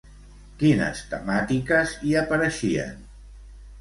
Quines temàtiques hi apareixien?